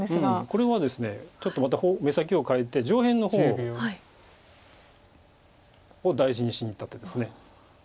これはですねちょっとまた目先を変えて上辺の方を大事にしにいった手です。